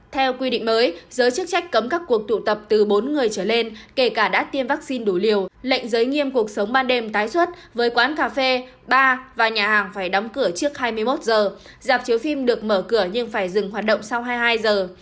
theo quy định mới giới chức trách cấm các cuộc tụ tập từ bốn người trở lên kể cả đã tiêm vaccine đủ liều lệnh giới nghiêm cuộc sống ban đêm tái xuất với quán cà phê ba và nhà hàng phải đóng cửa trước hai mươi một giờ dạp chiếu phim được mở cửa nhưng phải dừng hoạt động sau hai mươi hai giờ